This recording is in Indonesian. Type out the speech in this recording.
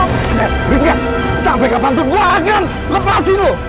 eh rizka sampai kapanpun gue akan lepasin lo